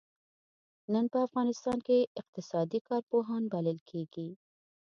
نن په افغانستان کې اقتصادي کارپوهان بلل کېږي.